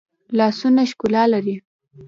لاسونه ښکلا لري